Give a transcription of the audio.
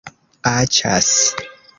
Aĉas.